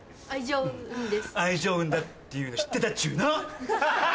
愛情運だっていうの知ってたっちゅうの！